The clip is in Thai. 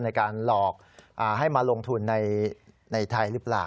ในการหลอกให้มาลงทุนในไทยหรือเปล่า